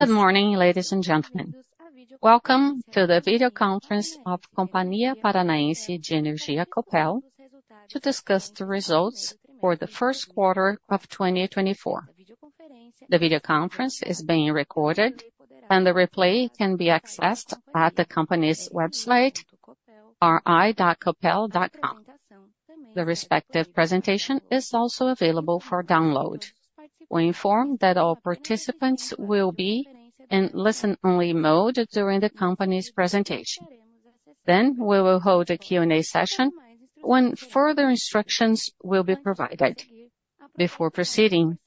Good morning, ladies and gentlemen. Welcome to the video conference of Companhia Paranaense de Energia Copel, to discuss the results for the first quarter of 2024. The video conference is being recorded, and the replay can be accessed at the company's website, ri.copel.com. The respective presentation is also available for download. We inform that all participants will be in listen only mode during the company's presentation. Then we will hold a Q&A session, when further instructions will be provided. Before proceeding,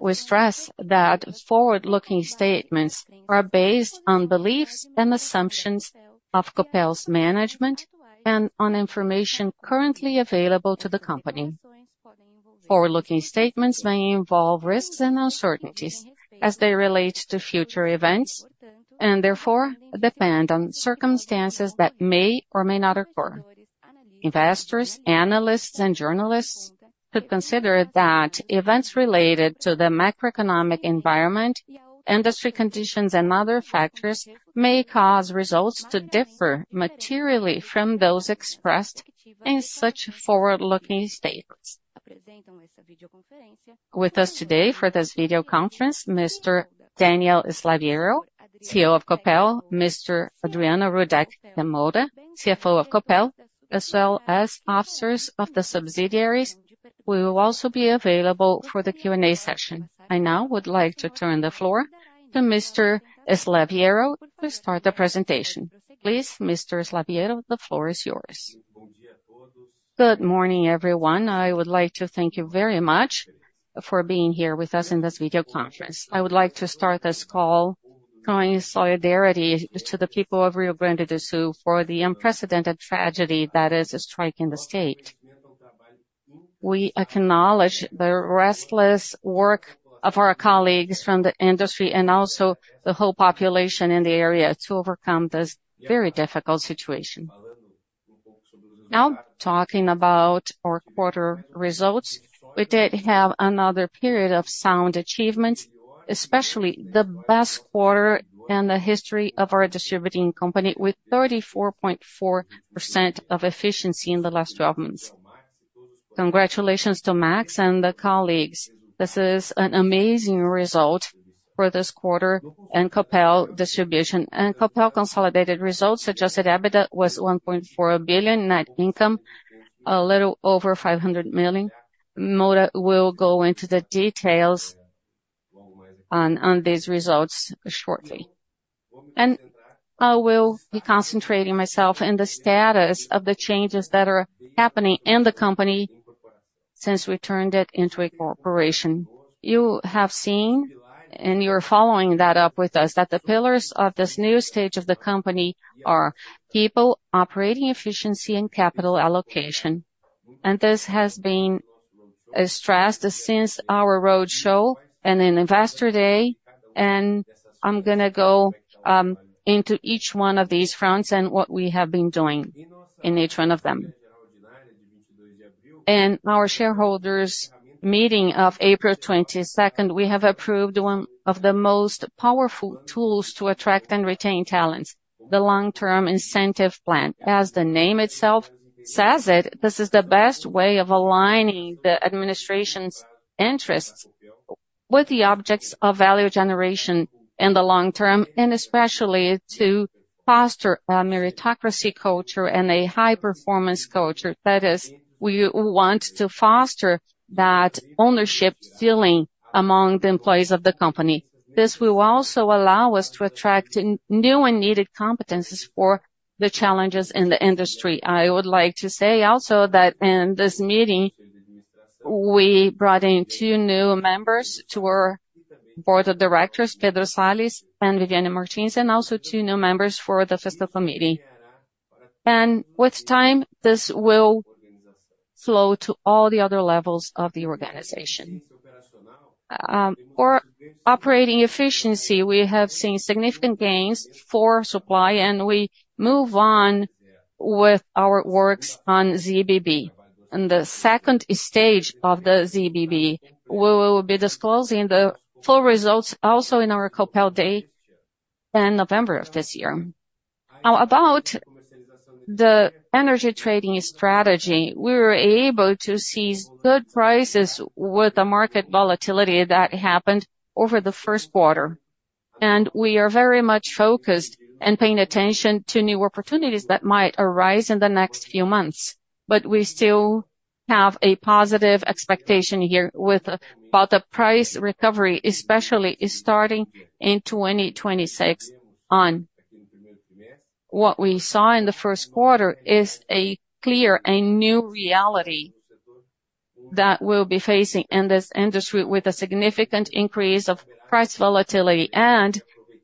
we stress that forward-looking statements are based on beliefs and assumptions of Copel's management and on information currently available to the company. Forward-looking statements may involve risks and uncertainties as they relate to future events, and therefore depend on circumstances that may or may not occur. Investors, analysts, and journalists could consider that events related to the macroeconomic environment, industry conditions and other factors may cause results to differ materially from those expressed in such forward-looking statements. With us today for this video conference, Mr. Daniel Slaviero, CEO of Copel, Mr. Adriano Rudek de Moura, CFO of Copel, as well as officers of the subsidiaries, will also be available for the Q&A session. I now would like to turn the floor to Mr. Slaviero to start the presentation. Please, Mr. Slaviero, the floor is yours. Good morning, everyone. I would like to thank you very much for being here with us in this video conference. I would like to start this call showing solidarity to the people of Rio Grande do Sul for the unprecedented tragedy that is striking the state. We acknowledge the restless work of our colleagues from the industry and also the whole population in the area to overcome this very difficult situation. Now, talking about our quarter results, we did have another period of sound achievements, especially the best quarter in the history of our distributing company, with 34.4% of efficiency in the last 12 months. Congratulations to Max and the colleagues. This is an amazing result for this quarter in Copel Distribution. Copel consolidated results, adjusted EBITDA was 1.4 billion, net income, a little over 500 million. Adriano will go into the details on these results shortly. I will be concentrating myself on the status of the changes that are happening in the company since we turned it into a corporation. You have seen, and you're following that up with us, that the pillars of this new stage of the company are people, operating efficiency and capital allocation. This has been stressed since our roadshow and in Investor Day, and I'm gonna go into each one of these fronts and what we have been doing in each one of them. In our shareholders' meeting of April 22nd, we have approved one of the most powerful tools to attract and retain talents, the long-term incentive plan. As the name itself says it, this is the best way of aligning the administration's interests with the objects of value generation in the long term, and especially to foster a meritocracy culture and a high performance culture. That is, we want to foster that ownership feeling among the employees of the company. This will also allow us to attract new and needed competencies for the challenges in the industry. I would like to say also that in this meeting, we brought in two new members to our board of directors, Pedro Sales and Viviane Martins, and also two new members for the fiscal committee. With time, this will flow to all the other levels of the organization. For operating efficiency, we have seen significant gains for supply, and we move on with our works on ZBB. In the second stage of the ZBB, we will be disclosing the full results also in our Copel Day in November of this year. Now, about the energy trading strategy, we were able to seize good prices with the market volatility that happened over the first quarter. We are very much focused and paying attention to new opportunities that might arise in the next few months. But we still have a positive expectation here with about the price recovery, especially starting in 2026. On what we saw in the first quarter is a clear and new reality that we'll be facing in this industry, with a significant increase of price volatility, and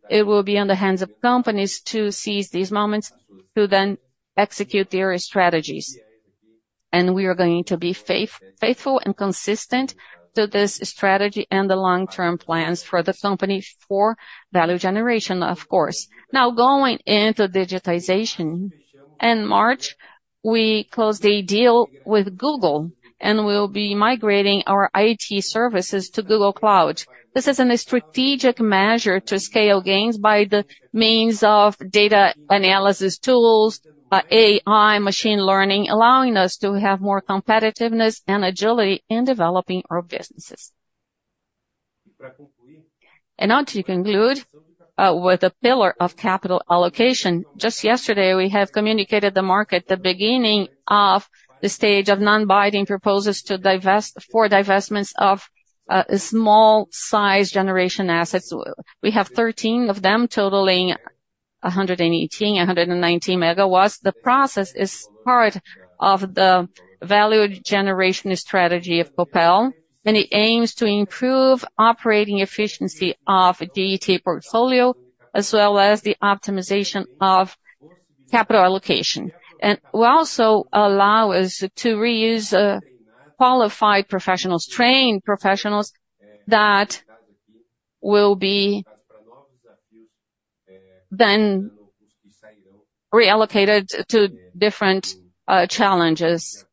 it will be in the hands of companies to seize these moments, to then execute their strategies. And we are going to be faithful and consistent to this strategy and the long-term plans for the company for value generation, of course. Now, going into digitization, in March, we closed a deal with Google, and we'll be migrating our IT services to Google Cloud. This is a strategic measure to scale gains by the means of data analysis tools, by AI, machine learning, allowing us to have more competitiveness and agility in developing our businesses. Now to conclude with the pillar of capital allocation. Just yesterday, we have communicated to the market the beginning of the stage of non-binding proposals for divestments of small-sized generation assets. We have 13 of them, totaling 118, 190 MW. The process is part of the value generation strategy of Copel, and it aims to improve operating efficiency of GeT portfolio, as well as the optimization of capital allocation. It will also allow us to reuse qualified professionals, trained professionals, that will be then reallocated to different challenges,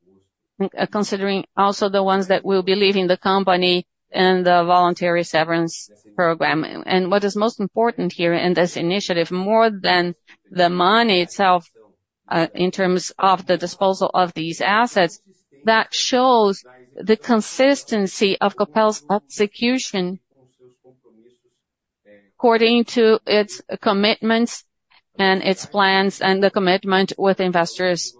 considering also the ones that will be leaving the company and the voluntary severance program. What is most important here in this initiative, more than the money itself, in terms of the disposal of these assets, that shows the consistency of Copel's execution according to its commitments and its plans and the commitment with investors.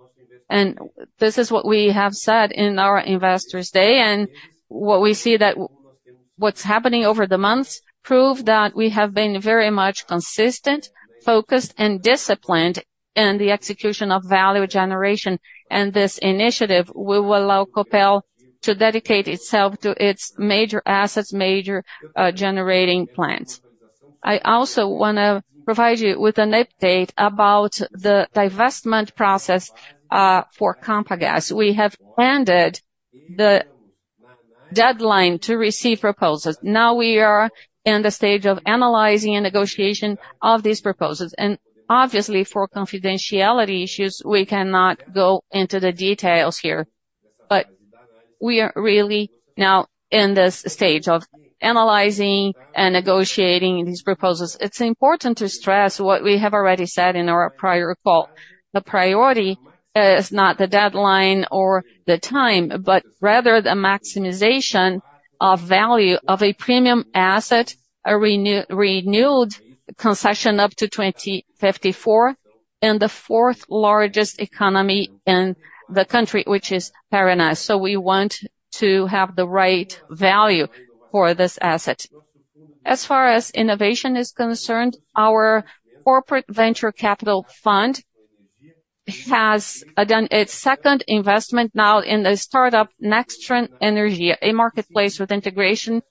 And this is what we have said in our Investors Day, and what we see that what's happening over the months prove that we have been very much consistent, focused, and disciplined in the execution of value generation, and this initiative will allow Copel to dedicate itself to its major assets, major generating plants. I also wanna provide you with an update about the divestment process for Compagas. We have ended the deadline to receive proposals. Now, we are in the stage of analyzing and negotiation of these proposals, and obviously, for confidentiality issues, we cannot go into the details here. But we are really now in this stage of analyzing and negotiating these proposals. It's important to stress what we have already said in our prior call. The priority is not the deadline or the time, but rather the maximization of value of a premium asset, a renewed concession up to 2054, and the fourth largest economy in the country, which is Paraná. So we want to have the right value for this asset. As far as innovation is concerned, our corporate venture capital fund has done its second investment now in the startup, Nextron Energia, a marketplace with integration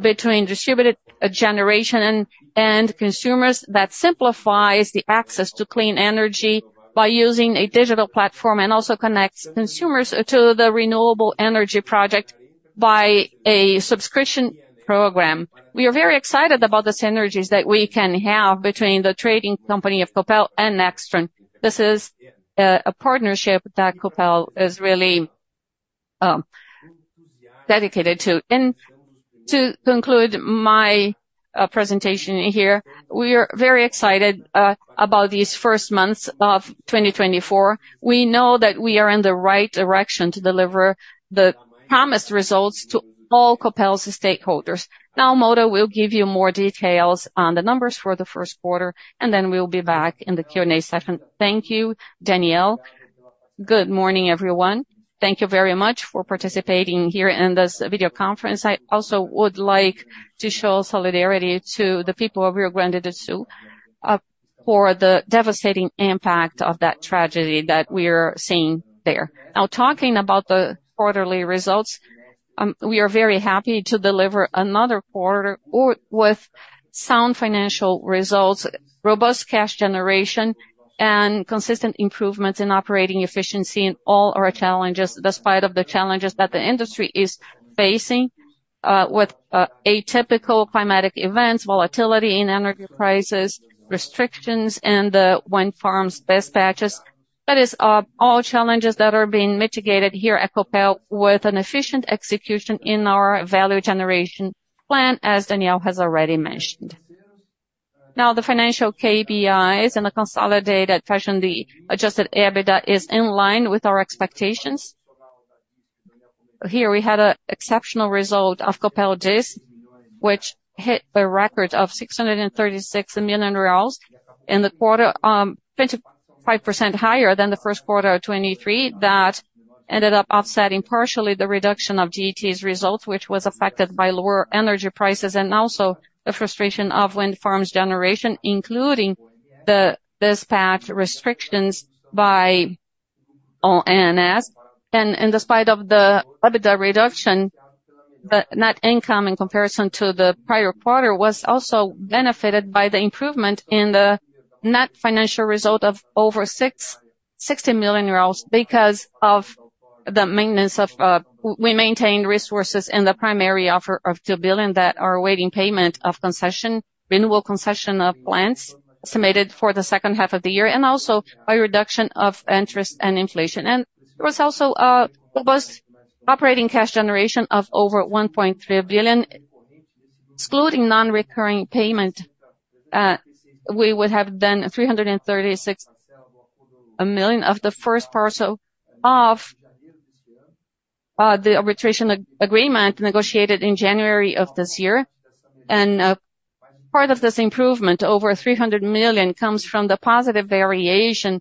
between distributed generation and consumers that simplifies the access to clean energy by using a digital platform, and also connects consumers to the renewable energy project by a subscription program. We are very excited about the synergies that we can have between the trading company of Copel and Nextron. This is a partnership that Copel is really dedicated to. To conclude my presentation here, we are very excited about these first months of 2024. We know that we are in the right direction to deliver the promised results to all Copel's stakeholders. Now, Moura will give you more details on the numbers for the first quarter, and then we'll be back in the Q&A session. Thank you, Daniel. Good morning, everyone. Thank you very much for participating here in this video conference. I also would like to show solidarity to the people of Rio Grande do Sul for the devastating impact of that tragedy that we're seeing there. Now, talking about the quarterly results, we are very happy to deliver another quarter with sound financial results, robust cash generation, and consistent improvements in operating efficiency in all our challenges, despite of the challenges that the industry is facing, with atypical climatic events, volatility in energy prices, restrictions, and the wind farms dispatches. That is, all challenges that are being mitigated here at Copel with an efficient execution in our value generation plan, as Daniel has already mentioned. Now, the financial KPIs in a consolidated fashion, the adjusted EBITDA is in line with our expectations. Here, we had an exceptional result of Copel Dis, which hit a record of 636 million reais in the quarter, 25% higher than the first quarter of 2023. That ended up offsetting partially the reduction of GT's results, which was affected by lower energy prices and also the frustration of wind farms generation, including the dispatch restrictions by ONS. And in spite of the EBITDA reduction. But net income in comparison to the prior quarter was also benefited by the improvement in the net financial result of over BRL 60 million, because of the maintenance of—we maintained resources in the primary offer of 2 billion that are awaiting payment of concession renewal of plants, estimated for the second half of the year, and also by reduction of interest and inflation. And there was also there was operating cash generation of over 1.3 billion. Excluding non-recurring payment, we would have done 336 million of the first parcel of the arbitration agreement negotiated in January of this year. Part of this improvement, over 300 million, comes from the positive variation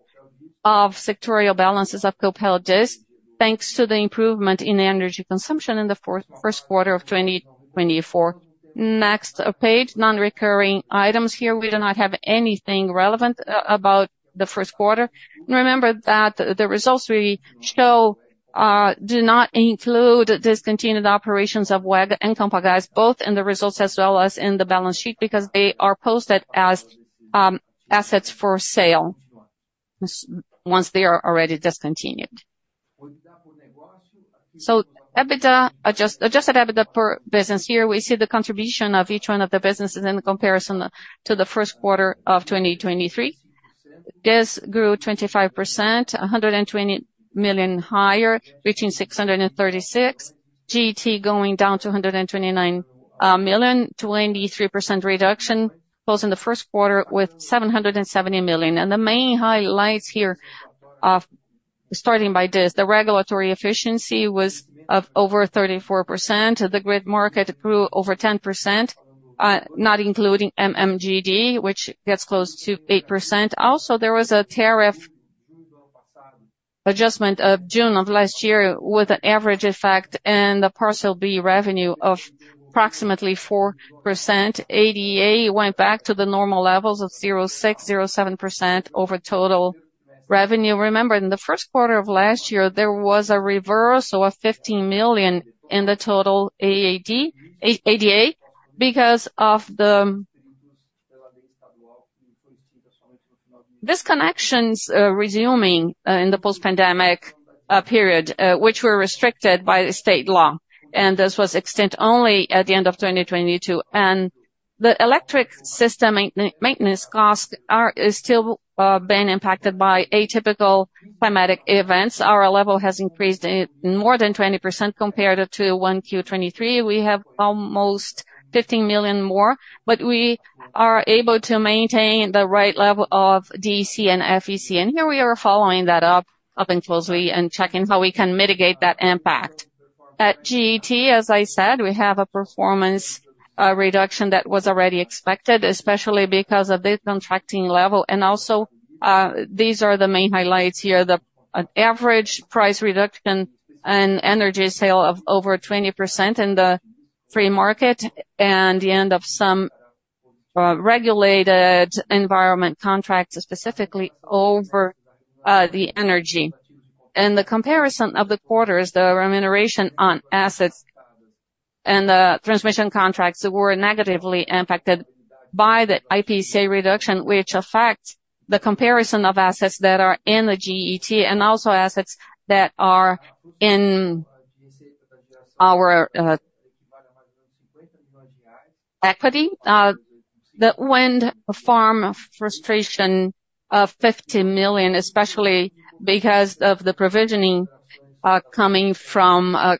of sectorial balances of Copel Dist, thanks to the improvement in energy consumption in the fourth, first quarter of 2024. Next page, non-recurring items. Here, we do not have anything relevant about the first quarter. Remember that the results we show do not include discontinued operations of UEG and Compagas, both in the results as well as in the balance sheet, because they are posted as assets for sale, once they are already discontinued. So adjusted EBITDA per business. Here, we see the contribution of each one of the businesses in comparison to the first quarter of 2023. This grew 25%, 120 million higher, reaching 636 million. GET going down to 129 million, 23% reduction, closing the first quarter with 770 million. The main highlights here are, starting by this, the regulatory efficiency was of over 34%. The grid market grew over 10%, not including MMGD, which gets close to 8%. Also, there was a tariff adjustment of June of last year, with an average effect in the Parcel B revenue of approximately 4%. ADA went back to the normal levels of 0.6, 0.7% over total revenue. Remember, in the first quarter of last year, there was a reversal of 15 million in the total ADA, because of the... disconnections, resuming in the post-pandemic period, which were restricted by the state law, and this was extended only at the end of 2022. The electric system maintenance costs are still being impacted by atypical climatic events. Our level has increased more than 20% compared to 1Q 2023. We have almost 15 million more, but we are able to maintain the right level of DEC and FEC. Here we are following that up and closely and checking how we can mitigate that impact. At GET, as I said, we have a performance reduction that was already expected, especially because of the contracting level. And also, these are the main highlights here: an average price reduction on energy sale of over 20% in the free market and the end of some regulated environment contracts, specifically over the energy. In the comparison of the quarters, the remuneration on assets and the transmission contracts were negatively impacted by the IPCA reduction, which affects the comparison of assets that are in the GET and also assets that are in our equity. The wind farm frustration of 50 million, especially because of the provisioning coming from a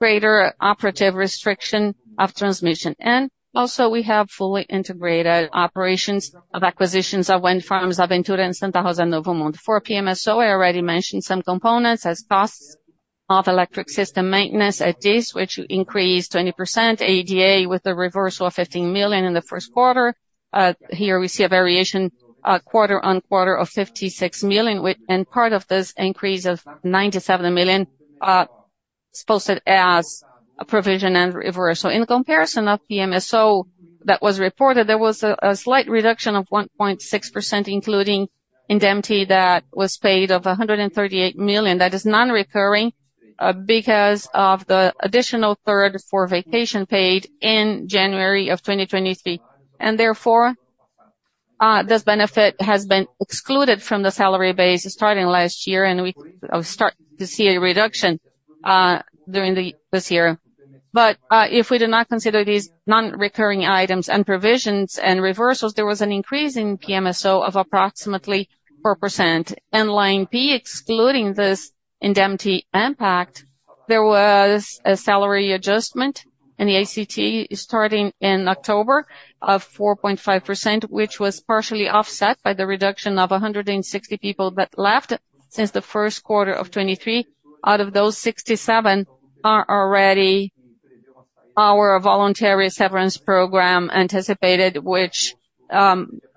greater operative restriction of transmission. And also, we have fully integrated operations of acquisitions of wind farms, Aventura and Santa Rosa & Mundo Novo. For PMSO, I already mentioned some components as costs of electric system maintenance at this, which increased 20%. ADA, with a reversal of 15 million in the first quarter. Here we see a variation quarter-over-quarter of 56 million, and part of this increase of 97 million posted as a provision and reversal. In comparison of the PMSO that was reported, there was a slight reduction of 1.6%, including indemnity that was paid of 138 million. That is non-recurring because of the additional third for vacation paid in January 2023. Therefore, this benefit has been excluded from the salary base starting last year, and we are start to see a reduction during this year. But if we do not consider these non-recurring items and provisions and reversals, there was an increase in PMSO of approximately 4%. Line B, excluding this indemnity impact, there was a salary adjustment in the ACT, starting in October, of 4.5%, which was partially offset by the reduction of 160 people that left since the first quarter of 2023. Out of those, 67 are already our voluntary severance program anticipated, which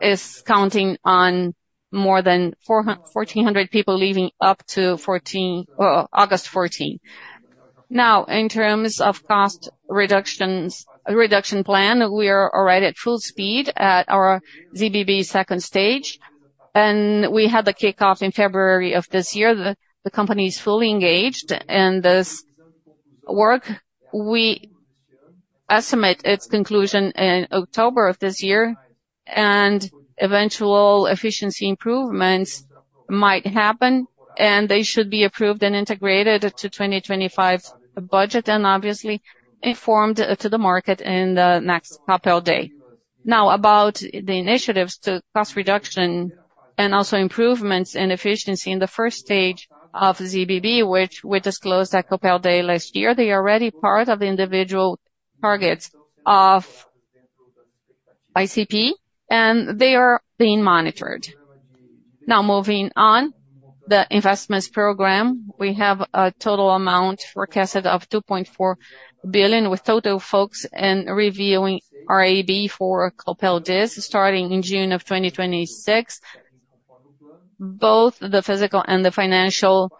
is counting on more than 1,400 people leaving up to 2024, August fourteenth. Now, in terms of cost reductions, reduction plan, we are already at full speed at our ZBB second stage. We had the kickoff in February of this year. The company is fully engaged in this work. We estimate its conclusion in October of this year, and eventual efficiency improvements might happen, and they should be approved and integrated to 2025's budget, and obviously informed to the market in the next Copel Day. Now, about the initiatives to cost reduction and also improvements in efficiency in the first stage of ZBB, which we disclosed at Copel Day last year, they are already part of the individual targets of ICP, and they are being monitored. Now moving on, the investments program. We have a total amount forecasted of 2.4 billion, with total focus in reviewing our RAB for Copel Dis, starting in June of 2026. Both the physical and the financial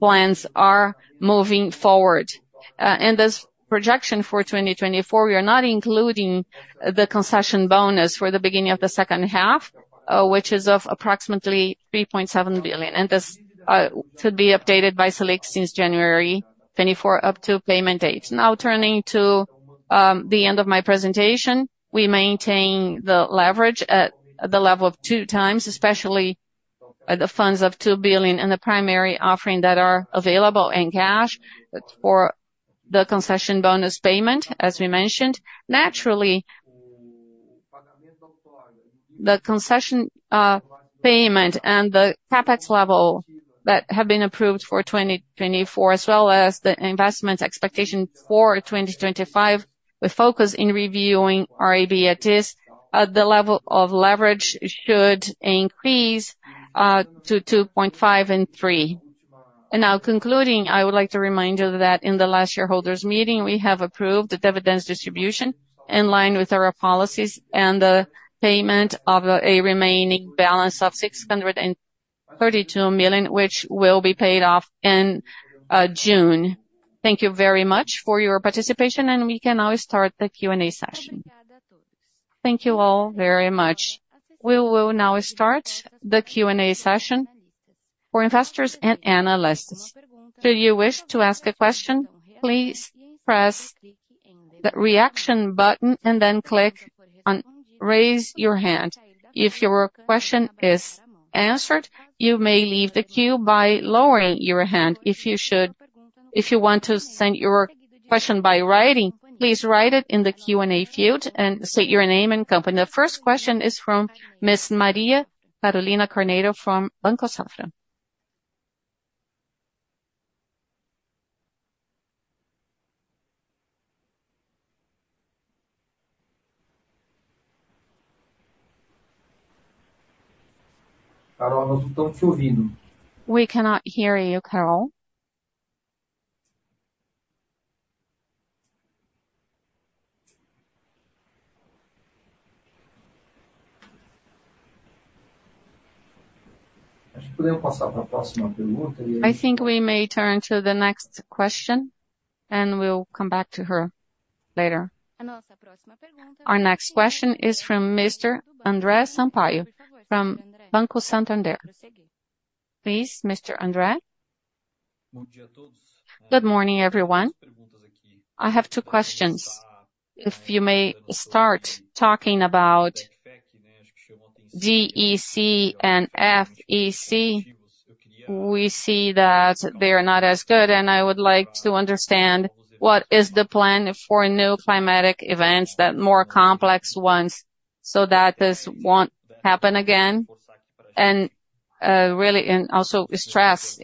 plans are moving forward. And this projection for 2024, we are not including the concession bonus for the beginning of the second half, which is of approximately 3.7 billion. And this, to be updated by Selic since January 2024 up to payment date. Now turning to the end of my presentation, we maintain the leverage at the level of 2x, especially the funds of 2 billion and the primary offering that are available in cash. That's for the concession bonus payment, as we mentioned. Naturally, the concession payment and the CapEx level that have been approved for 2024, as well as the investment expectation for 2025, with focus in reviewing our AB at this the level of leverage should increase to 2.5-3. And now concluding, I would like to remind you that in the last shareholders meeting, we have approved the dividends distribution in line with our policies and the payment of a remaining balance of 632 million, which will be paid off in June. Thank you very much for your participation, and we can now start the Q&A session. Thank you all very much. We will now start the Q&A session for investors and analysts. Do you wish to ask a question, please press the Reaction button and then click on Raise Your Hand. If your question is answered, you may leave the queue by lowering your hand. If you want to send your question by writing, please write it in the Q&A field and state your name and company. The first question is from Ms. Maria Carolina Carneiro from Banco Safra. We cannot hear you, Carol. I think we may turn to the next question, and we'll come back to her later. Our next question is from Mr. André Sampaio, from Banco Santander. Please, Mr. André? Good morning, everyone. I have two questions. If you may start talking about DEC and FEC, we see that they are not as good, and I would like to understand what is the plan for new climatic events, the more complex ones, so that this won't happen again. And really, and also stress,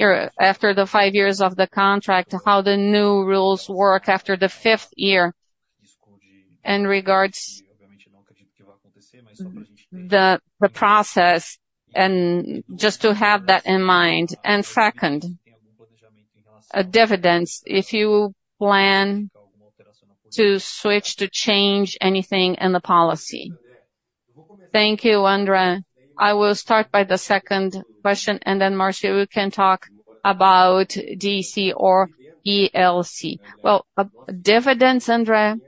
or after the 5 years of the contract, how the new rules work after the fifth year in regards the, the process, and just to have that in mind. And second, dividends, if you plan to switch to change anything in the policy. Thank you, André. I will start by the second question, and then Marcia, we can talk about DEC or FEC. Well, dividends, André,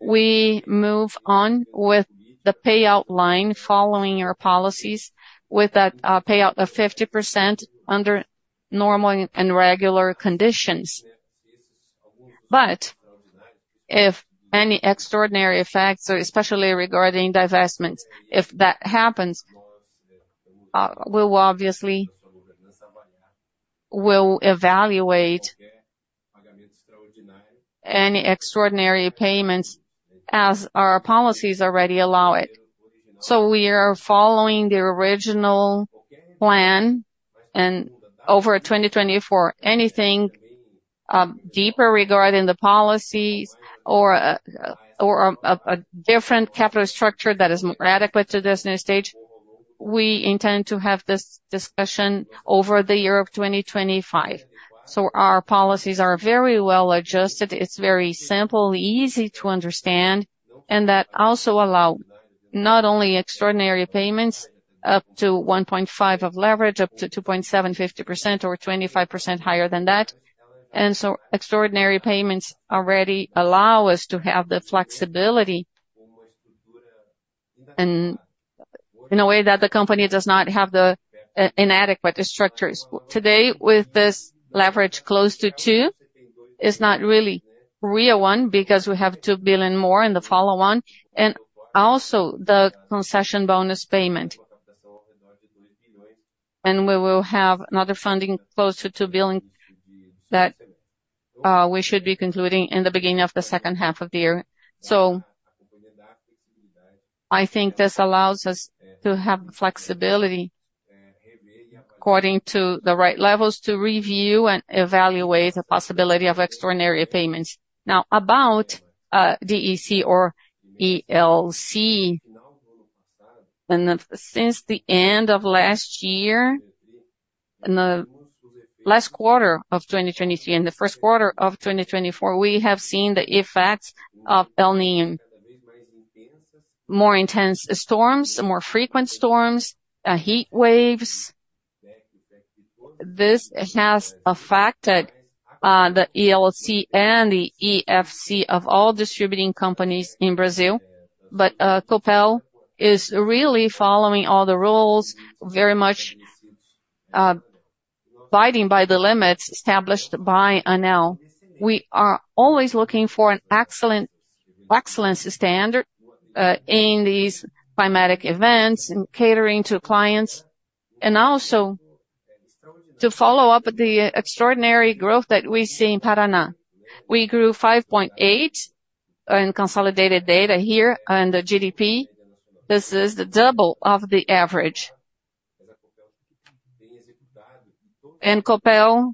we move on with the payout line, following our policies, with that, payout of 50% under normal and regular conditions. But if any extraordinary effects, especially regarding divestments, if that happens, we will obviously, we'll evaluate any extraordinary payments as our policies already allow it. So we are following the original plan, and over 2024, anything deeper regarding the policies or a different capital structure that is more adequate to this new stage, we intend to have this discussion over the year of 2025. So our policies are very well adjusted. It's very simple, easy to understand, and that also allow not only extraordinary payments up to 1.5 of leverage, up to 2.7, 50% or 25% higher than that. And so extraordinary payments already allow us to have the flexibility and in a way that the company does not have the inadequate structures. Today, with this leverage close to 2, is not really real one, because we have 2 billion more in the follow on, and also the concession bonus payment. We will have another funding closer to BRL 2 billion, that we should be concluding in the beginning of the second half of the year. I think this allows us to have flexibility according to the right levels, to review and evaluate the possibility of extraordinary payments. Now, about DEC or FEC, and since the end of last year, in the last quarter of 2023 and the first quarter of 2024, we have seen the effects of El Niño. More intense storms, more frequent storms, heat waves. This has affected the DEC and the FEC of all distributing companies in Brazil. But, Copel is really following all the rules, very much, abiding by the limits established by ANEEL. We are always looking for an excellent, excellence standard, in these climatic events and catering to clients, and also to follow up with the extraordinary growth that we see in Paraná. We grew 5.8 in consolidated data here on the GDP. This is the double of the average. Copel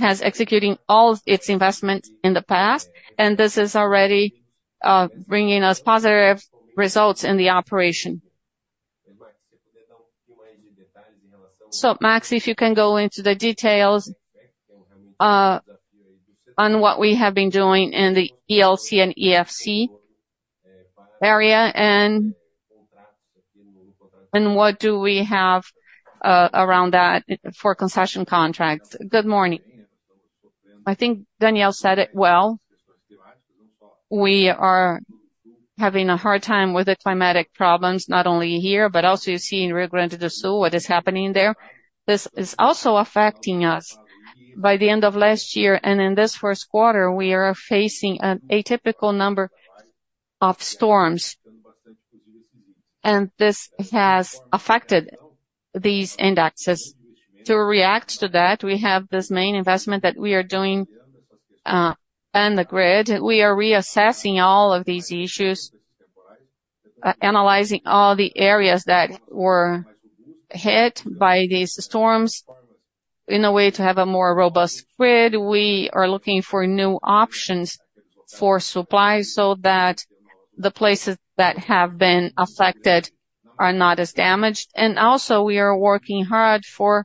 has executing all its investment in the past, and this is already, bringing us positive results in the operation. So Max, if you can go into the details, on what we have been doing in the DEC and FEC area, and, and what do we have, around that for concession contracts? Good morning. I think Daniel said it well. We are having a hard time with the climatic problems, not only here, but also you see in Rio Grande do Sul, what is happening there. This is also affecting us. By the end of last year, and in this first quarter, we are facing an atypical number of storms, and this has affected these indexes. To react to that, we have this main investment that we are doing, on the grid. We are reassessing all of these issues, analyzing all the areas that were hit by these storms in a way to have a more robust grid. We are looking for new options for supply so that the places that have been affected are not as damaged. And also we are working hard for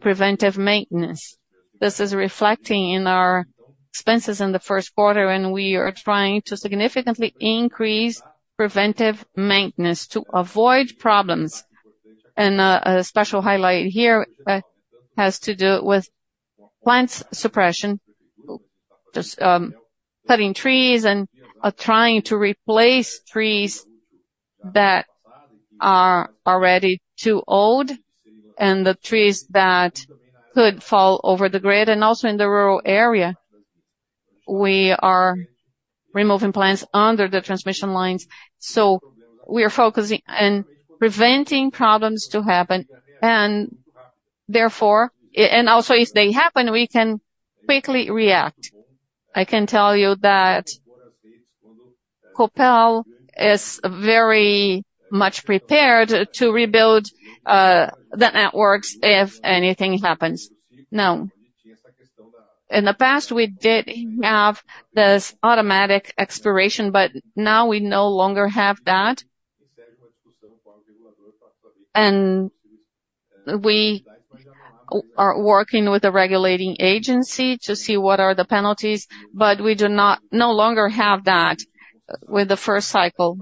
preventive maintenance. This is reflecting in our expenses in the first quarter, and we are trying to significantly increase preventive maintenance to avoid problems. A special highlight here has to do with plants suppression. Just cutting trees and trying to replace trees that are already too old, and the trees that could fall over the grid, and also in the rural area, we are removing plants under the transmission lines. So we are focusing on preventing problems to happen, and therefore, and also, if they happen, we can quickly react. I can tell you that Copel is very much prepared to rebuild the networks if anything happens. Now, in the past, we did have this automatic expiration, but now we no longer have that. We are working with the regulating agency to see what are the penalties, but we no longer have that with the first cycle.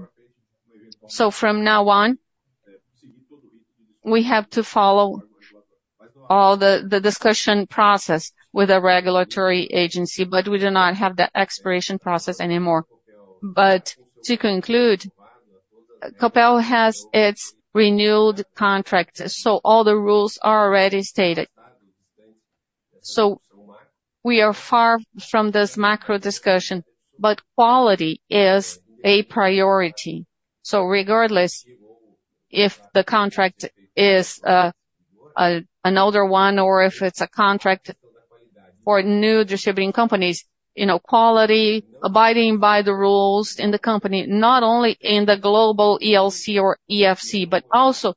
From now on, we have to follow all the discussion process with the regulatory agency, but we do not have the expiration process anymore. To conclude, Copel has its renewed contract, so all the rules are already stated. We are far from this macro discussion, but quality is a priority. Regardless if the contract is an older one, or if it's a contract for new distributing companies, you know, quality, abiding by the rules in the company, not only in the global DEC or FEC, but also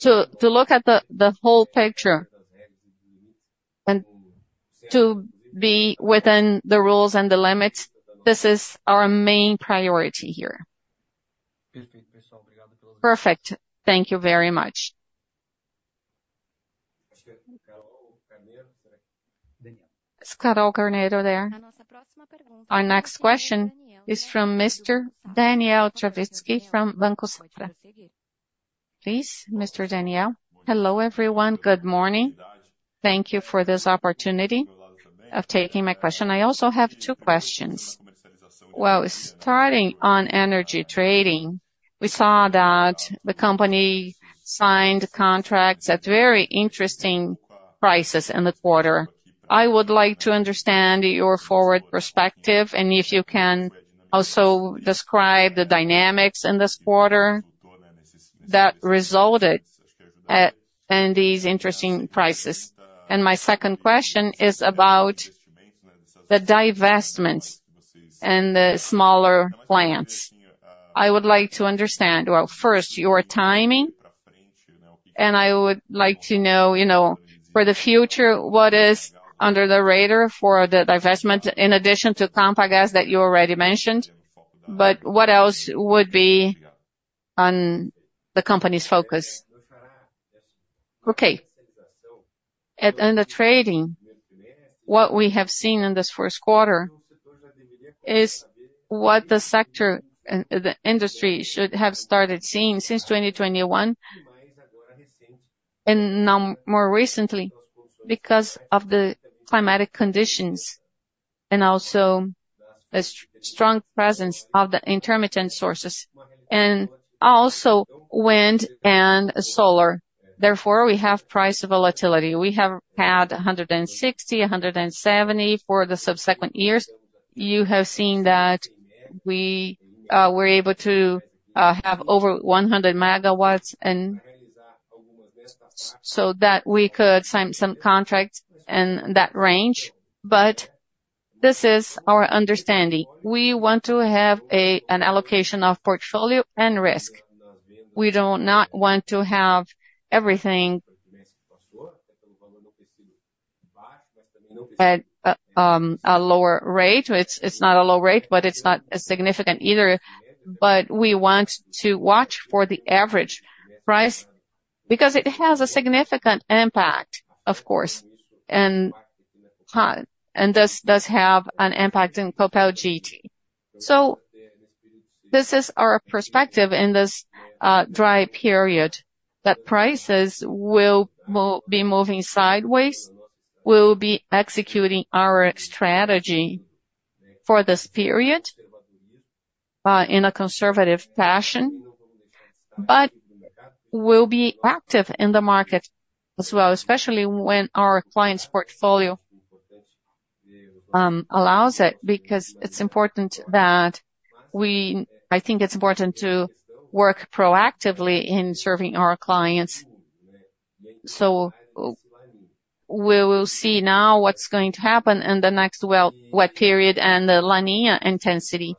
to look at the whole picture and to be within the rules and the limits. This is our main priority here. Perfect. Thank you very much. Carol Carneiro there?... Our next question is from Mr. Daniel Travitzky from Banco Safra. Please, Mr. Daniel. Hello, everyone. Good morning. Thank you for this opportunity of taking my question. I also have two questions. Well, starting on energy trading, we saw that the company signed contracts at very interesting prices in the quarter. I would like to understand your forward perspective, and if you can also describe the dynamics in this quarter that resulted in these interesting prices. And my second question is about the divestments and the smaller plants. I would like to understand, well, first, your timing, and I would like to know, you know, for the future, what is under the radar for the divestment, in addition to Compagas that you already mentioned, but what else would be on the company's focus? Okay. In the trading, what we have seen in this first quarter is what the sector and the industry should have started seeing since 2021, and now more recently, because of the climatic conditions and also a strong presence of the intermittent sources, and also wind and solar. Therefore, we have price volatility. We have had 160, 170 for the subsequent years. You have seen that we were able to have over 100 MW and so that we could sign some contracts in that range. But this is our understanding. We want to have an allocation of portfolio and risk. We do not want to have everything at a lower rate. It's not a low rate, but it's not as significant either. But we want to watch for the average price because it has a significant impact, of course, and does have an impact in Copel GT. So this is our perspective in this dry period, that prices will be moving sideways. We'll be executing our strategy for this period in a conservative fashion, but we'll be active in the market as well, especially when our clients' portfolio allows it, because it's important that we—I think it's important to work proactively in serving our clients. So we will see now what's going to happen in the next wet period and the La Niña intensity.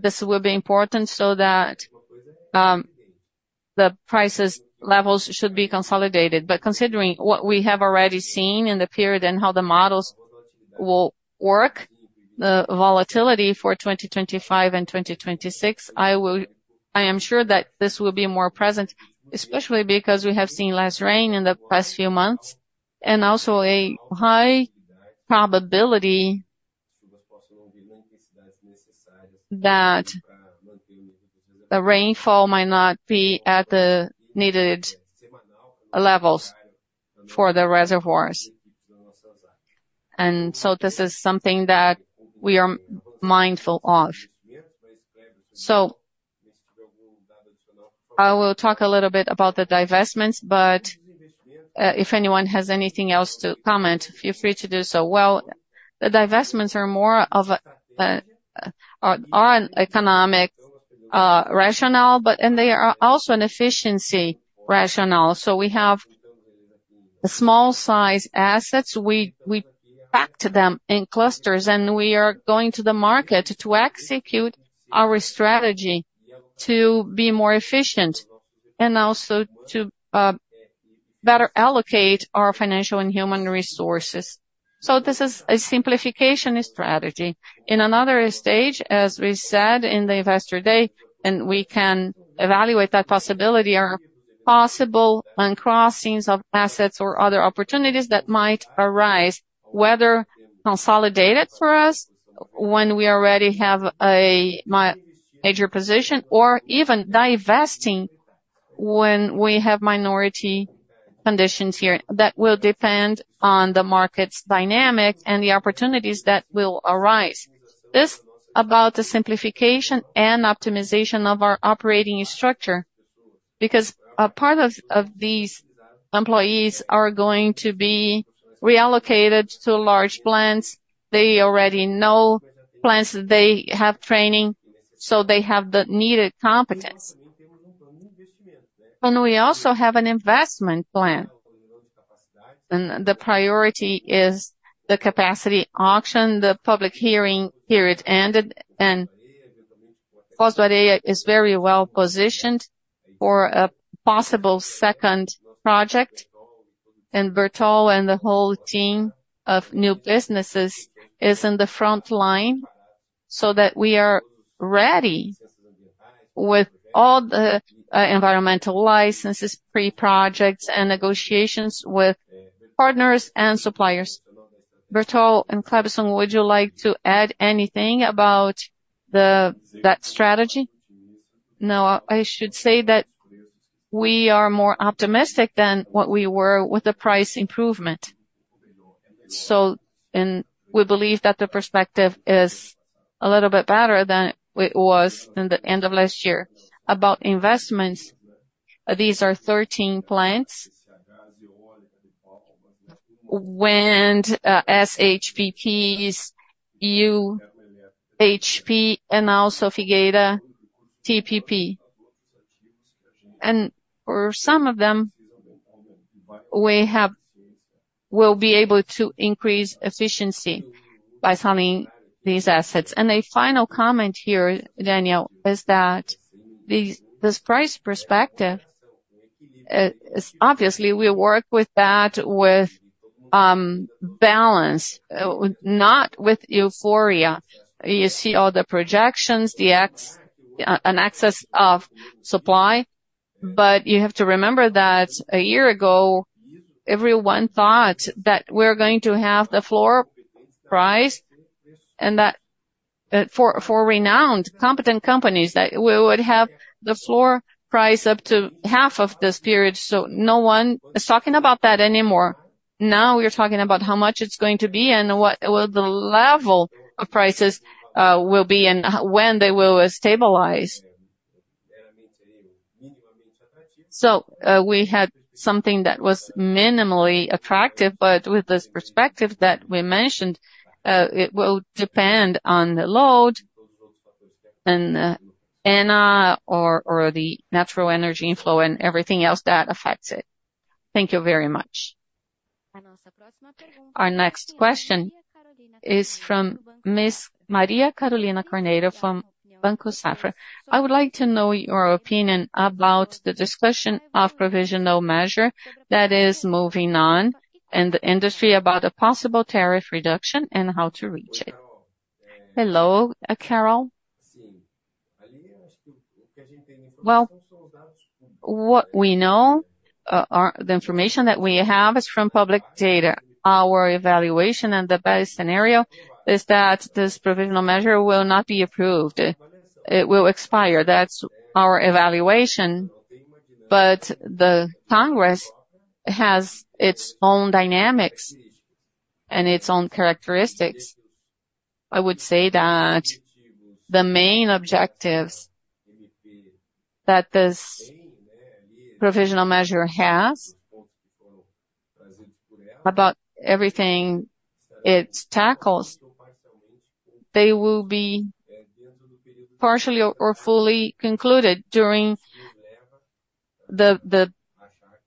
This will be important so that the prices levels should be consolidated. But considering what we have already seen in the period and how the models will work, the volatility for 2025 and 2026, I will—I am sure that this will be more present, especially because we have seen less rain in the past few months, and also a high probability that the rainfall might not be at the needed levels for the reservoirs. And so this is something that we are mindful of. So I will talk a little bit about the divestments, but, if anyone has anything else to comment, feel free to do so. Well, the divestments are more of a, are an economic rationale, but—and they are also an efficiency rationale. So we have the small size assets. We packed them in clusters, and we are going to the market to execute our strategy to be more efficient and also to better allocate our financial and human resources. So this is a simplification strategy. In another stage, as we said in the Investor Day, and we can evaluate that possibility, are possible uncrossings of assets or other opportunities that might arise, whether consolidated for us when we already have a major position, or even divesting when we have minority conditions here. That will depend on the market's dynamic and the opportunities that will arise. This about the simplification and optimization of our operating structure, because a part of these employees are going to be reallocated to large plants. They already know plants, they have training, so they have the needed competence. We also have an investment plan, and the priority is the capacity auction. The public hearing period ended, and Foz do Areia is very well positioned for a possible second project. Bertol and the whole team of new businesses is in the front line so that we are ready. With all the environmental licenses, pre-projects, and negotiations with partners and suppliers. Bertol and Cleberson, would you like to add anything about that strategy? Now, I should say that we are more optimistic than what we were with the price improvement. So, and we believe that the perspective is a little bit better than it was in the end of last year. About investments, these are 13 plants. Wind, SHPPs, UHP, and also Figueira TPP. And for some of them, we'll be able to increase efficiency by selling these assets. A final comment here, Daniel, is that these, this price perspective, is obviously we work with that with balance, not with euphoria. You see all the projections, an excess of supply, but you have to remember that a year ago, everyone thought that we're going to have the floor price, and that for renowned competent companies, that we would have the floor price up to half of this period, so no one is talking about that anymore. Now we are talking about how much it's going to be and what will the level of prices will be and when they will stabilize. So, we had something that was minimally attractive, but with this perspective that we mentioned, it will depend on the load and, ENA or, or the natural energy inflow and everything else that affects it. Thank you very much. Our next question is from Ms. Maria Carolina Carneiro from Banco Safra. I would like to know your opinion about the discussion of provisional measure that is moving on in the industry about a possible tariff reduction and how to reach it. Hello, Carol. Well, what we know, are-- the information that we have is from public data. Our evaluation and the best scenario is that this provisional measure will not be approved. It will expire. That's our evaluation. But the Congress has its own dynamics and its own characteristics. I would say that the main objectives that this provisional measure has, about everything it tackles, they will be partially or, or fully concluded during the, the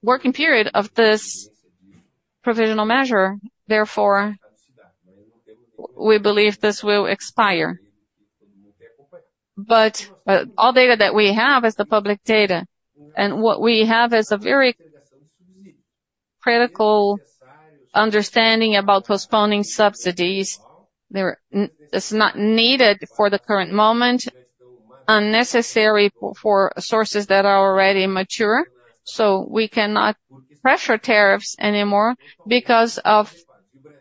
working period of this provisional measure. Therefore, we believe this will expire. But, all data that we have is the public data, and what we have is a very critical understanding about postponing subsidies. It's not needed for the current moment, unnecessary for sources that are already mature. So we cannot pressure tariffs anymore because of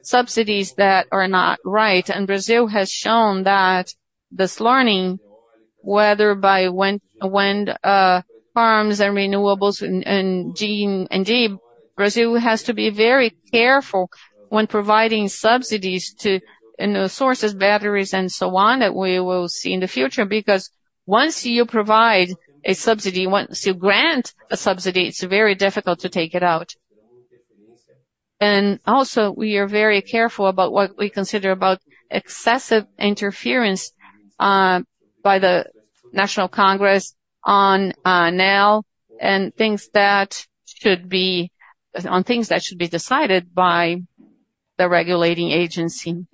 subsidies that are not right. Brazil has shown that this learning, whether by wind, wind, farms and renewables and, and G and D, Brazil has to be very careful when providing subsidies to, you know, sources, batteries, and so on, that we will see in the future, because once you provide a subsidy, once you grant a subsidy, it's very difficult to take it out. And also, we are very careful about what we consider about excessive interference by the National Congress on now, and things that should be, on things that should be decided by the regulating agency.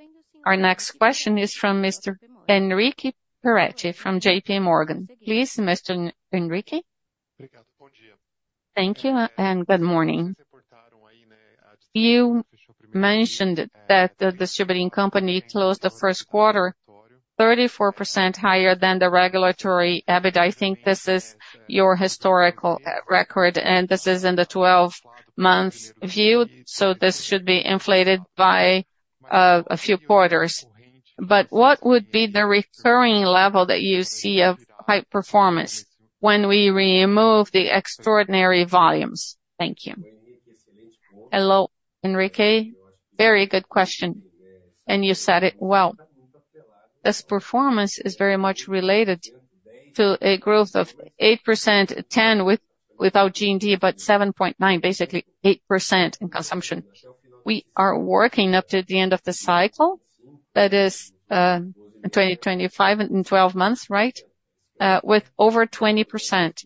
Our next question is from Mr. Henrique Peretti from J.P. Morgan. Please, Mr. Henrique. Thank you, and good morning. You mentioned that the distributing company closed the first quarter 34% higher than the regulatory EBITDA. I think this is your historical record, and this is in the 12 months view, so this should be inflated by a few quarters. But what would be the recurring level that you see of high performance when we remove the extraordinary volumes? Thank you. Hello, Henrique. Very good question, and you said it well. This performance is very much related to a growth of 8%, 10 with- without GD, but 7.9, basically 8% in consumption. We are working up to the end of the cycle, that is, in 2025 and in 12 months, right? With over 20%.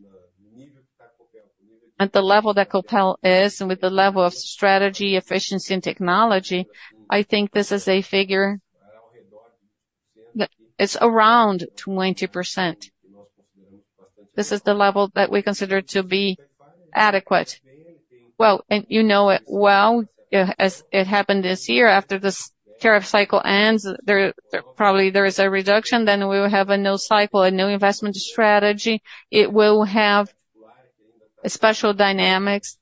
At the level that Copel is and with the level of strategy, efficiency, and technology, I think this is a figure that is around 20%. This is the level that we consider to be adequate… Well, and you know it well, as it happened this year, after this tariff cycle ends, there probably is a reduction, then we will have a new cycle, a new investment strategy. It will have special dynamics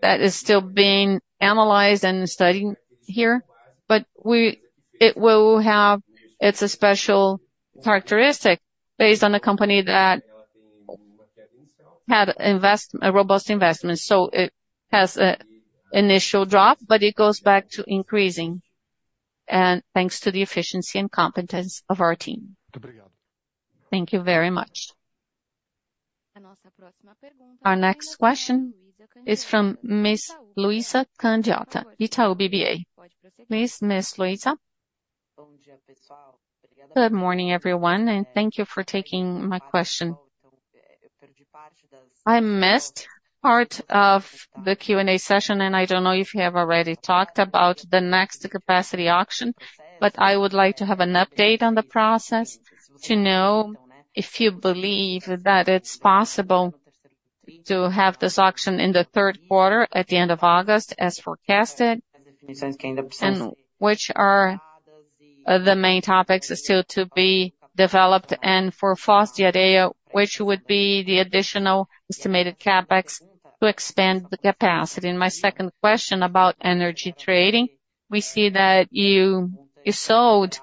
that is still being analyzed and studied here. But we - it will have - it's a special characteristic based on a company that had invest - a robust investment, so it has a initial drop, but it goes back to increasing, and thanks to the efficiency and competence of our team. Thank you very much. Our next question is from Ms. Luiza Candiota, Itaú BBA. Please, Ms. Luiza. Good morning, everyone, and thank you for taking my question. I missed part of the Q&A session, and I don't know if you have already talked about the next capacity auction, but I would like to have an update on the process to know if you believe that it's possible to have this auction in the third quarter at the end of August as forecasted, and which are the main topics still to be developed, and for Foz do Areia, which would be the additional estimated CapEx to expand the capacity? And my second question about energy trading: We see that you sold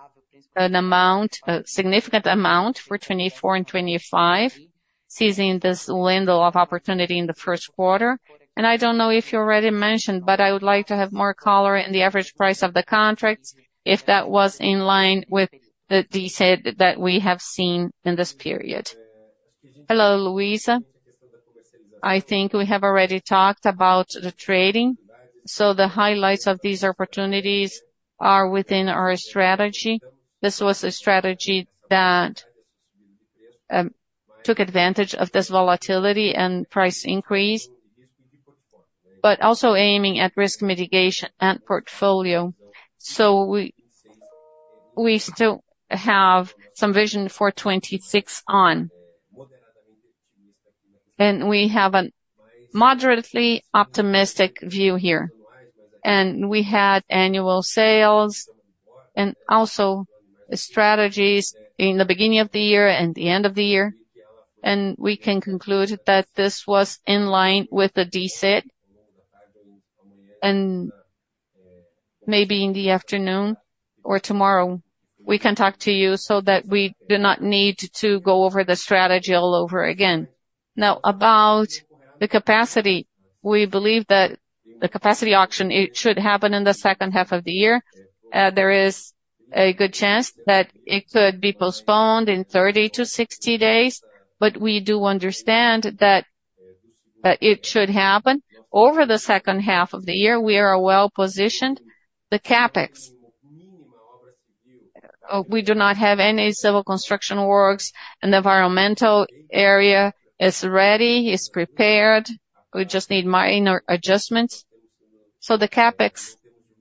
an amount, a significant amount, for 2024 and 2025, seizing this window of opportunity in the first quarter. I don't know if you already mentioned, but I would like to have more color in the average price of the contracts, if that was in line with the DSET that we have seen in this period. Hello, Luiza. I think we have already talked about the trading, so the highlights of these opportunities are within our strategy. This was a strategy that took advantage of this volatility and price increase, but also aiming at risk mitigation and portfolio. So we still have some vision for 2026 on. And we have a moderately optimistic view here. And we had annual sales and also strategies in the beginning of the year and the end of the year, and we can conclude that this was in line with the DSET. Maybe in the afternoon or tomorrow, we can talk to you so that we do not need to go over the strategy all over again. Now, about the capacity, we believe that the capacity auction, it should happen in the second half of the year. There is a good chance that it could be postponed in 30-60 days, but we do understand that, it should happen over the second half of the year. We are well positioned. The CapEx, we do not have any civil construction works, and the environmental area is ready, is prepared. We just need minor adjustments. So the CapEx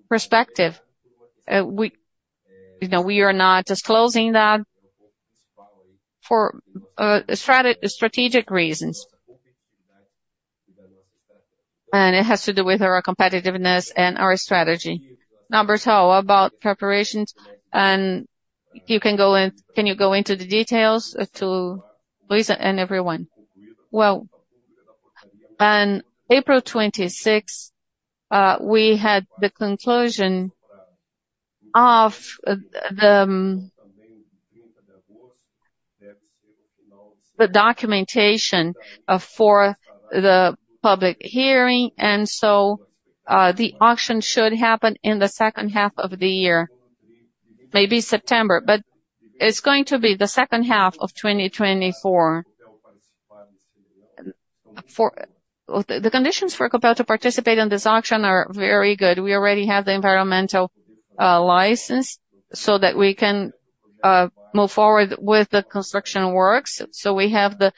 perspective, we, you know, we are not disclosing that for, strategic reasons. And it has to do with our competitiveness and our strategy. Now, Bertol, about preparations, and you can go into the details to Luiza and everyone? Well, on April 26, we had the conclusion of the documentation for the public hearing, and so the auction should happen in the second half of the year, maybe September, but it's going to be the second half of 2024. The conditions for Copel to participate in this auction are very good. We already have the environmental license so that we can move forward with the construction works. So we have the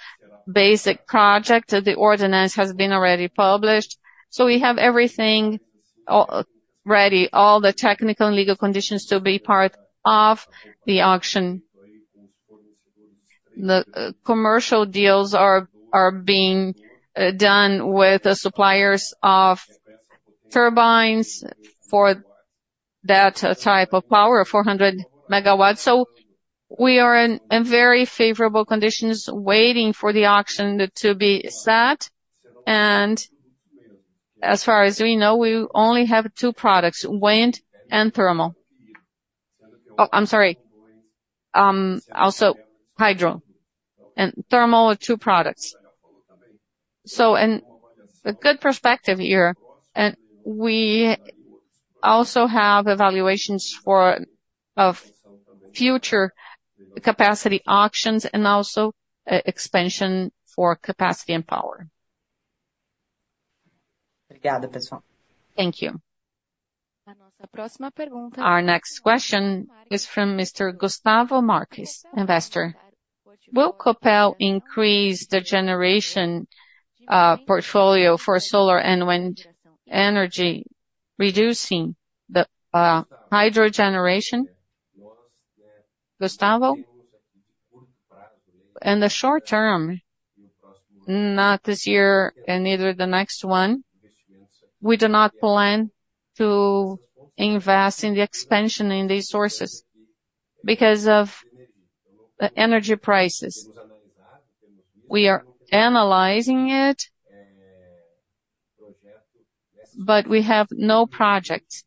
basic project, the ordinance has been already published, so we have everything already, all the technical and legal conditions to be part of the auction. The commercial deals are being done with the suppliers of turbines for that type of power, 400 MW. So we are in very favorable conditions, waiting for the auction to be set. And as far as we know, we only have two products, wind and thermal. Oh, I'm sorry, also hydro and thermal are two products. So and a good perspective here, and we also have evaluations for future capacity auctions and also expansion for capacity and power. Thank you. Our next question is from Mr. Gustavo Marcus, investor. Will Copel increase the generation portfolio for solar and wind energy, reducing the hydro generation? Gustavo? ...In the short term, not this year and neither the next one, we do not plan to invest in the expansion in these sources because of the energy prices. We are analyzing it, but we have no project.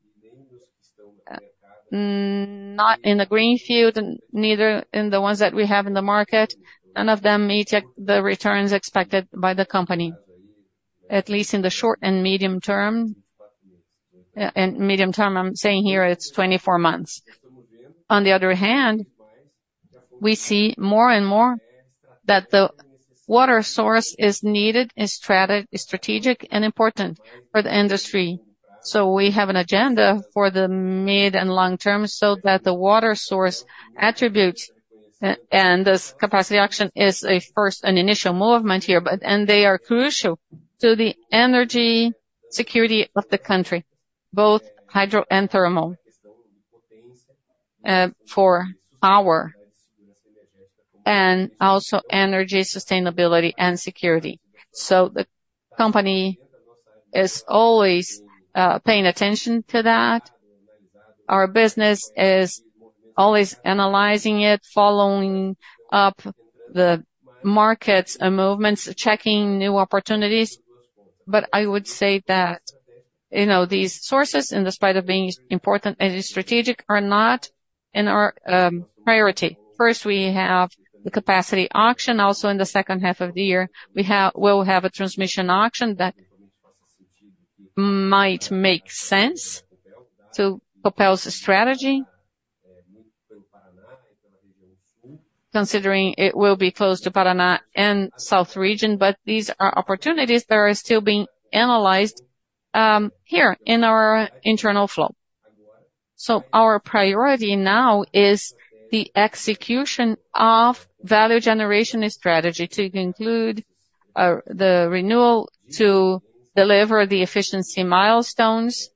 Not in the green field and neither in the ones that we have in the market, none of them meet the, the returns expected by the company, at least in the short and medium term. And medium term, I'm saying here, it's 24 months. On the other hand, we see more and more that the water source is needed, is strategic and important for the industry. So we have an agenda for the mid and long term, so that the water source attributes and this capacity auction is a first, an initial movement here, and they are crucial to the energy security of the country, both hydro and thermal, for our and also energy sustainability and security. So the company is always paying attention to that. Our business is always analyzing it, following up the markets and movements, checking new opportunities. But I would say that, you know, these sources, in spite of being important and strategic, are not in our priority. First, we have the capacity auction. Also, in the second half of the year, we'll have a transmission auction that might make sense to Copel's strategy. Considering it will be close to Paraná and south region, but these are opportunities that are still being analyzed here in our internal flow. So our priority now is the execution of value generation and strategy to conclude the renewal, to deliver the efficiency milestones,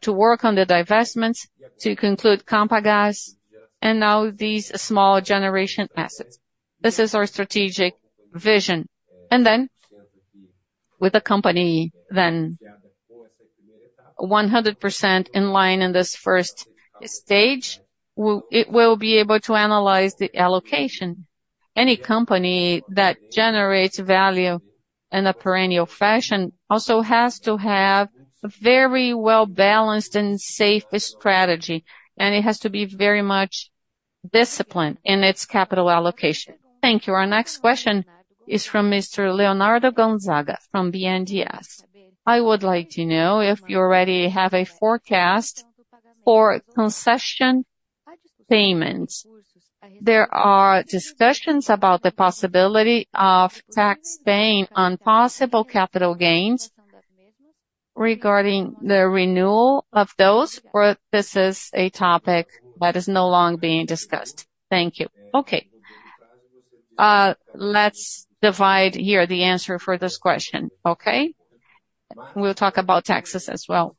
to work on the divestments, to conclude Compagas, and now these small generation assets. This is our strategic vision. And then, with the company, then 100% in line in this first stage, it will be able to analyze the allocation. Any company that generates value in a perennial fashion also has to have a very well-balanced and safe strategy, and it has to be very much disciplined in its capital allocation. Thank you. Our next question is from Mr. Leonardo Gonzaga from BNDES. I would like to know if you already have a forecast for concession payments. There are discussions about the possibility of tax paying on possible capital gains regarding the renewal of those, or this is a topic that is no longer being discussed? Thank you. Okay. Let's divide here the answer for this question, okay? We'll talk about taxes as well.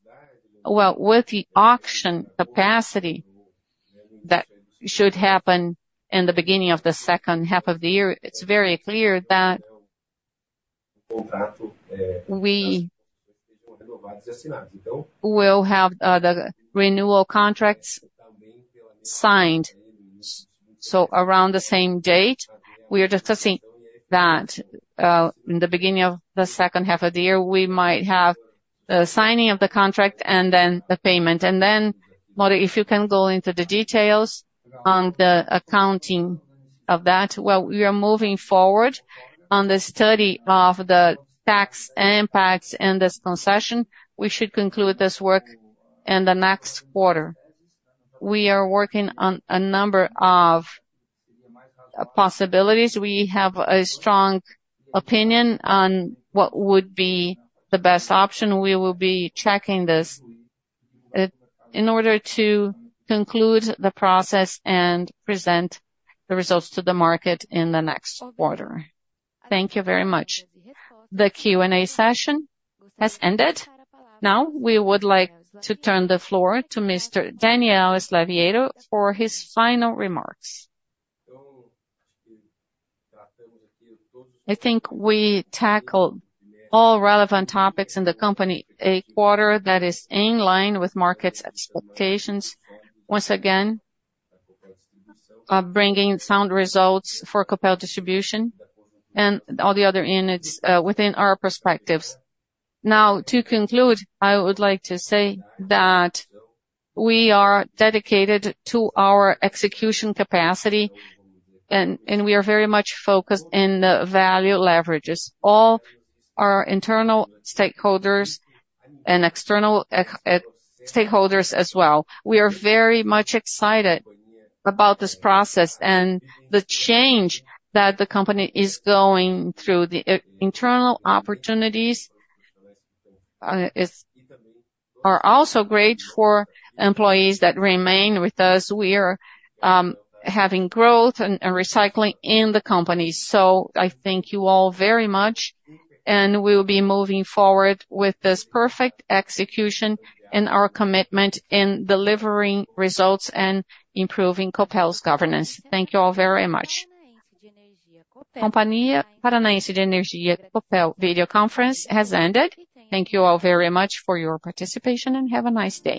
Well, with the capacity auction that should happen in the beginning of the second half of the year, it's very clear that we will have the renewal contracts signed. So around the same date, we are discussing that in the beginning of the second half of the year, we might have the signing of the contract and then the payment. And then, Modi, if you can go into the details on the accounting of that. Well, we are moving forward on the study of the tax impacts and this concession. We should conclude this work in the next quarter. We are working on a number of possibilities. We have a strong opinion on what would be the best option. We will be checking this in order to conclude the process and present the results to the market in the next quarter. Thank you very much. The Q&A session has ended. Now, we would like to turn the floor to Mr. Daniel Slaviero for his final remarks. I think we tackled all relevant topics in the company, a quarter that is in line with markets' expectations. Once again, bringing sound results for Copel Distribution and all the other units within our perspectives. Now, to conclude, I would like to say that we are dedicated to our execution capacity, and we are very much focused in the value leverages, all our internal stakeholders and external stakeholders as well. We are very much excited about this process and the change that the company is going through. The internal opportunities are also great for employees that remain with us. We are having growth and recycling in the company. So I thank you all very much, and we'll be moving forward with this perfect execution and our commitment in delivering results and improving Copel's governance. Thank you all very much. Companhia Paranaense de Energia Copel video conference has ended. Thank you all very much for your participation, and have a nice day.